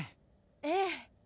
ええ。